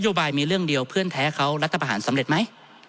โยบายมีเรื่องเดียวเพื่อนแท้เขารัฐประหารสำเร็จไหม